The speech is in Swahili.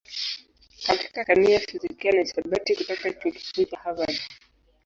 katika kemia, fizikia na hisabati kutoka Chuo Kikuu cha Harvard.